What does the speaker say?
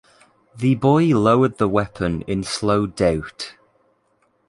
The boy lowered the weapon in slow doubt.